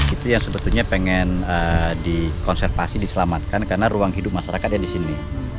itu yang sebetulnya pengen dikonservasi diselamatkan karena ruang hidup masyarakat yang di sini